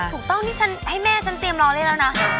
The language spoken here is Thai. ถูกเปล่านี่ให้แม่ฉันเตรียมรอเล่นแล้วนะ